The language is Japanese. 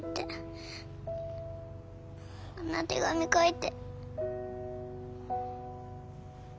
あんな手紙書いて。